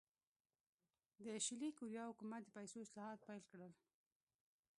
د شلي کوریا حکومت د پیسو اصلاحات پیل کړل.